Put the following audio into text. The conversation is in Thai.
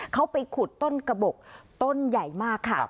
เขาไปขุดต้นกระบบต้นใหญ่มากค่ะ